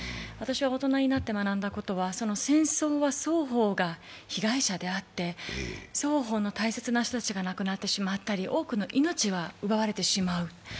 私が大人になって学んだことは戦争は双方が被害者であって、双方の大切な人たちが亡くなってしまつたり多くの命が奪われてしまう。